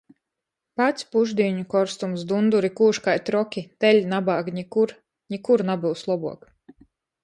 Pats pušdīņu korstums, dunduri kūž kai troki. Teli nabāg nikur, nikur nabyus lobuok.